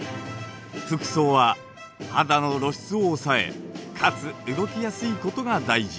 服装は肌の露出を抑えかつ動きやすいことが大事。